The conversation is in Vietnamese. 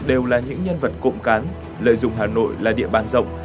đều là những nhân vật cộng cán lợi dụng hà nội là địa bàn rộng